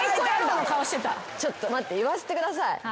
ちょっと待って言わせてください。